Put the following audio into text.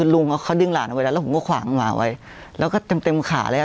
ลุงเขาดึงหลานเอาไว้แล้วแล้วผมก็ขวางหมาไว้แล้วก็เต็มเต็มขาแล้ว